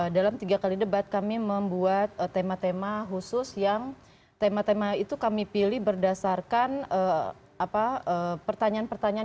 dalam tiga kali debat kami membuat tema tema khusus yang tema tema itu kami pilih berdasarkan pertanyaan pertanyaan